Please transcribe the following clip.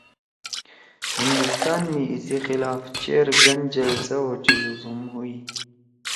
ہندوستان می ایِسی خلاف چیر گن جلسہ او جلُوس ہُم ہُوئی